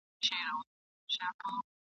د سېل اوبو اخیستی خلی یمه !.